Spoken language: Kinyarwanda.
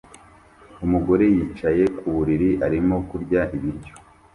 Umugore yicaye ku buriri arimo kurya ibiryo